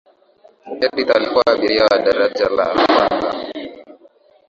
edith alikuwa abiria wa daraja la kwanza